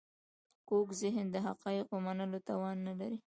کوږ ذهن د حقایقو منلو توان نه لري